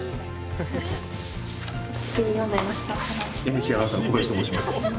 ＮＨＫアナウンサーの小林と申します。